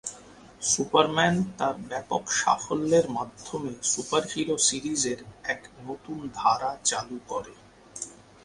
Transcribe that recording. Superman তার ব্যাপক সাফল্যের মাধ্যমে সুপারহিরো সিরিজের এক নতুন ধারা চালু করে।